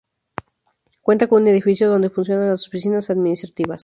Cuenta con un edificio donde funcionan las oficinas administrativas.